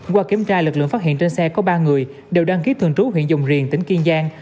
qua kiểm tra lực lượng phát hiện trên xe có ba người đều đăng ký thường trú huyện dùng riềng tỉnh kiên giang